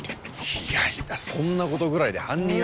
いやいやそんな事ぐらいで犯人扱い。